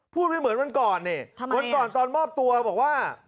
พูดไม่เหมือนวันก่อนเนี้ยทำไมอ่ะวันก่อนตอนมอบตัวบอกว่า